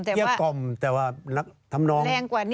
เกลี้ยกล่อมแต่ว่าทำน้อง